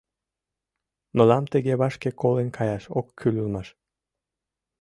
Мылам тыге вашке колен каяш ок кӱл улмаш.